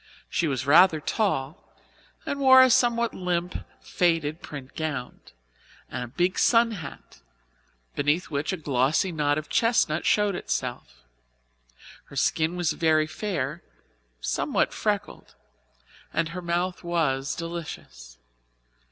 She was rather tall, and wore a somewhat limp, faded print gown, and a big sunhat, beneath which a glossy knot of chestnut showed itself. Her skin was very fair, somewhat freckled, and her mouth was delicious.